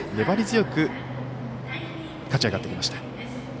粘り強く勝ち上がってきました。